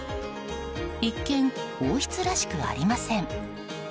一見、王室らしくありません。